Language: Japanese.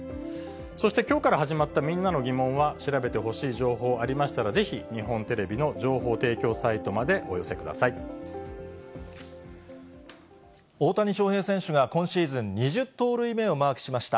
そして、きょうから始まったみんなのギモンは、調べてほしい情報ありましたら、ぜひ、日本テレビの情報提供サイトまでお寄せくだ大谷翔平選手が今シーズン、２０盗塁目をマークしました。